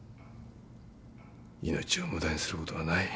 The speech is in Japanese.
命を無駄にすることはない。